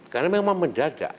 karena memang mendadak